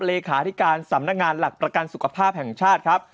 เลขาธิการสำนักงานหลักประกันสุขภาพแห่งชาติครับ